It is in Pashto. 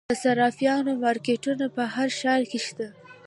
د صرافانو مارکیټونه په هر ښار کې شته